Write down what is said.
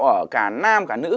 ở cả nam cả nữ